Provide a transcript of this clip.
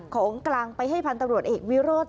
ของกลางไปให้พันธุ์ตำรวจเอกวิโรธ